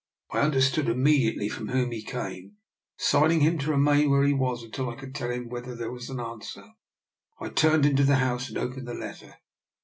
I understood immediately from whom he came. Sign ing to him to remain where he was until I could tell him whether there was an answer, I turned into the house and opened the letter.